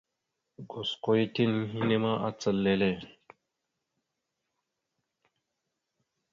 Gosko ya tinaŋ henne ma acal lele.